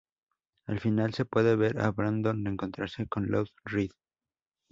Al final se puede ver a Brandon encontrarse con Lou Reed.